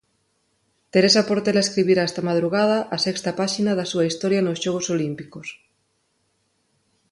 Teresa Portela escribirá esta madrugada a sexta páxina da súa historia nos Xogos Olímpicos.